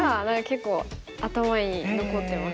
結構頭に残ってます。